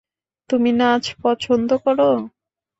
তুমি নাচ পছন্দ করো?